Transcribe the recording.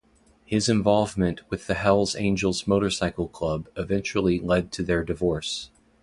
His involvement with the Hells Angels motorcycle club eventually led to their divorce.